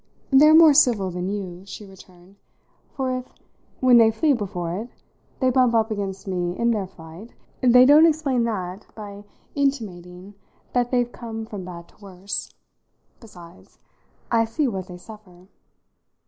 "They're more civil than you," she returned; "for if, when they flee before it, they bump up against me in their flight, they don't explain that by intimating that they're come from bad to worse. Besides, I see what they suffer."